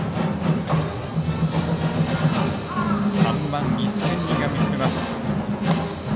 ３万１０００人が見つめます。